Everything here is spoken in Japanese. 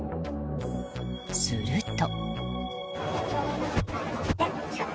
すると。